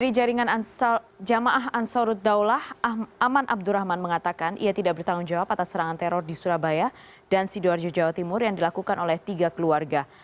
dari jaringan jamaah ansarut daulah aman abdurrahman mengatakan ia tidak bertanggung jawab atas serangan teror di surabaya dan sidoarjo jawa timur yang dilakukan oleh tiga keluarga